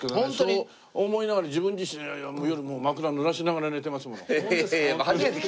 そう思いながら自分自身夜枕濡らしながら寝てますもの。